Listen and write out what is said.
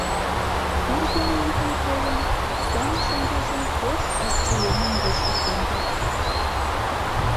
Шургымо йӱкым колын, сцене шеҥгечын пеш шучко еҥын вуйжо кончыш.